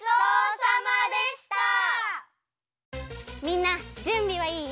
みんなじゅんびはいい？